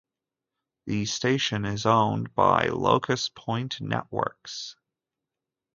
The station is owned by LocusPoint Networks.